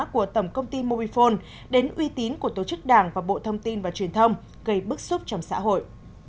của tổng công ty mobifone đến uy tín của tổ chức đảng và bộ thông tin và truyền thông gây bức xúc trong xã hội